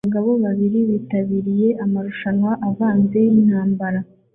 abagabo babiri bitabiriye amarushanwa avanze yintambara